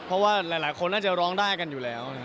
เพราะว่าหลายคนน่าจะร้องได้กันอยู่แล้ว